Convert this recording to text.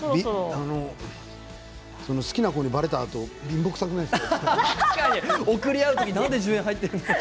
好きな子にばれたら貧乏くさくないですか？